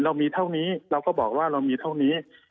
เรามีเท่านี้เราก็บอกว่าเรามีเท่านี้